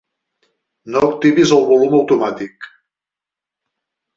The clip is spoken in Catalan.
No activis el volum automàtic.